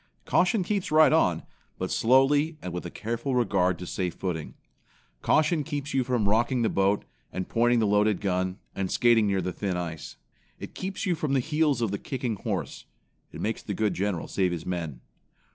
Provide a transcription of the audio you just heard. Caution keeps right on, but slowly and with a careful regard to safe footing. Caution keeps you from rocking the boat, and pointing the loaded gun, and skating near the thin ice. It keeps you from the heels of the kicking horse. It makes the good general save his men.